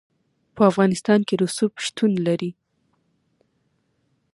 په افغانستان کې رسوب شتون لري.